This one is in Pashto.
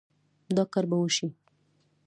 دا کار به وشي